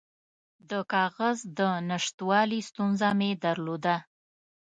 د کاغذ د نشتوالي ستونزه مې درلوده.